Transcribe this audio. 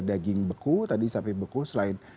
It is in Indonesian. daging beku tadi sapi beku selain